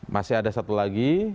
masih ada satu lagi